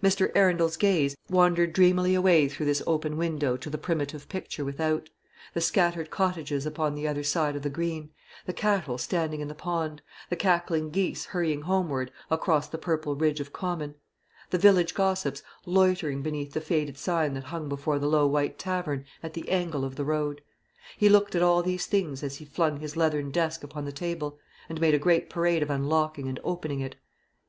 Mr. Arundel's gaze wandered dreamily away through this open window to the primitive picture without, the scattered cottages upon the other side of the green, the cattle standing in the pond, the cackling geese hurrying homeward across the purple ridge of common, the village gossips loitering beneath the faded sign that hung before the low white tavern at the angle of the road. He looked at all these things as he flung his leathern desk upon the table, and made a great parade of unlocking and opening it.